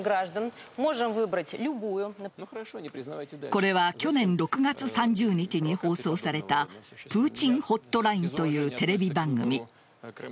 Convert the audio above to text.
これは去年６月３０日に放送された「プーチン・ホットライン」というテレビ番組。